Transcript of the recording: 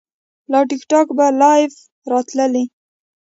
له ټیک ټاک به لایو راتللی